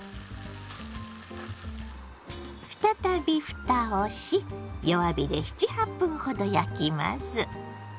再びふたをし弱火で７８分ほど焼きます。